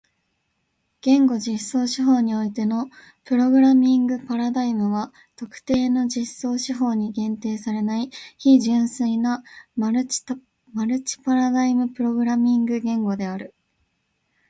言語実装手法においてのプログラミングパラダイムは特定の実装手法に限定されない非純粋なマルチパラダイムプログラミング言語である。